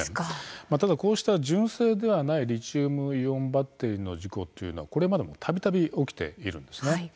ただ、こうした純正ではないリチウムイオンバッテリーの事故というのはこれまでもたびたび起きているんです。